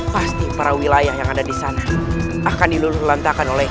pasti para wilayah yang ada di sana akan diluluh lantakan oleh